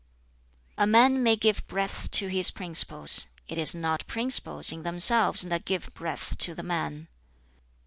"A man may give breadth to his principles: it is not principles (in themselves) that give breadth to the man.